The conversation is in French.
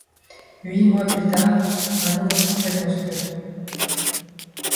Huit mois plus tard, un nouveau centre est construit.